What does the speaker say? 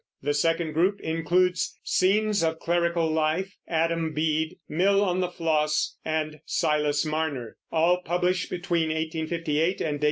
The second group includes Scenes of Clerical Life, Adam Bede, Mill on the Floss, and Silas Marner, all published between 1858 and 1861.